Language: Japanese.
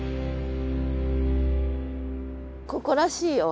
ここらしいよ。